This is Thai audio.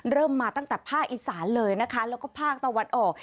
เริ่มมาตั้งแต่ภาคอีสานเลยนะคะแล้วก็ภาคตะวันออก